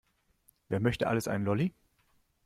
Wer möchte alles einen Lolli?